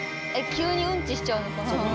急にウンチしちゃうのかな。